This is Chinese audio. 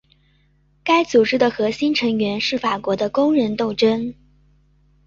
该组织的核心成员是法国的工人斗争。